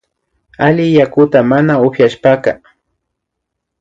Alli yakuta mana upyashpaka